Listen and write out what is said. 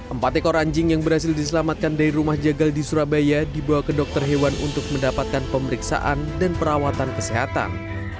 empat ekor anjing yang berhasil diselamatkan dari rumah jagal di surabaya dibawa ke dokter hewan untuk mendapatkan pemeriksaan dan perawatan kesehatan